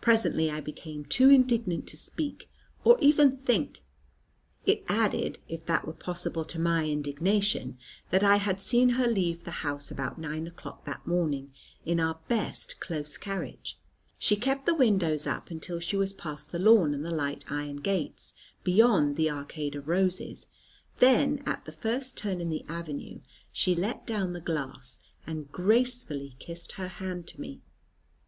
Presently, I became too indignant to speak, or even think. It added, if that were possible, to my indignation, that I had seen her leave the house, about nine o'clock that morning, in our best close carriage. She kept the windows up until she was past the lawn and the light iron gates, beyond the arcade of roses; then, at the first turn in the avenue, she let down the glass and gracefully kissed her hand to me.